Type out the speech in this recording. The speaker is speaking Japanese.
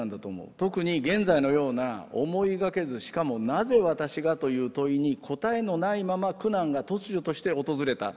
特に現在のような思いがけずしかも「なぜ私が？」という問いに答えのないまま苦難が突如として訪れた。